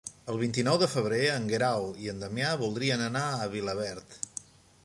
El vint-i-nou de febrer en Guerau i en Damià voldrien anar a Vilaverd.